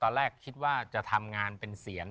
ตอนแรกคิดว่าจะทำงานเป็นเสียน